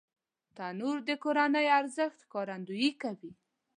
تنور د کورنی ارزښت ښکارندويي کوي